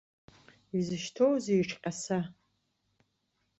Изышьҭоузеи иҿҟьаса?!